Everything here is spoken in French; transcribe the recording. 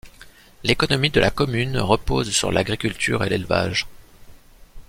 L'économie de la commune repose sur l'agriculture et l'élevage;